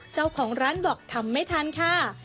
เจ้าของร้านบอกทำไม่ทันค่ะ